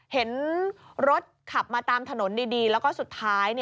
เห็นรถขับมาตามถนนดีแล้วก็สุดท้าย